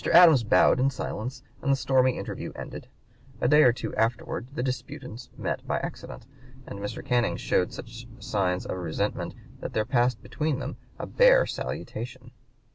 Adams bowed in silence and the stormy interview ended. A day or two afterward the disputants met by accident, and Mr. Canning showed such signs of resentment that there passed between them a "bare salutation."